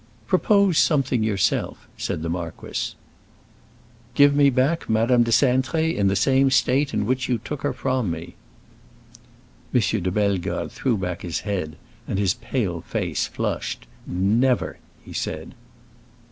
"Propose something yourself," said the marquis. "Give me back Madame de Cintré in the same state in which you took her from me." M. de Bellegarde threw back his head and his pale face flushed. "Never!" he said.